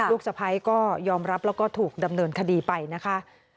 สะพ้ายก็ยอมรับแล้วก็ถูกดำเนินคดีไปนะคะ